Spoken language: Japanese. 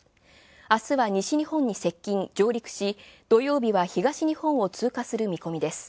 明日は西日本接近、上陸し、土曜日は東日本を通過する見込みです